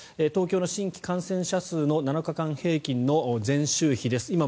東京の新規感染者数の７日間平均の前週比です。